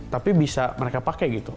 tapi bisa mereka pakai gitu